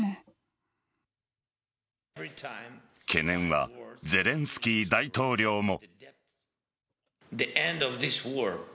懸念はゼレンスキー大統領も。